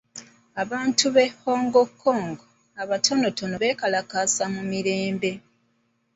Abatuuze b'e Hong Kong abatonotono beekalakaasa mu mirembe.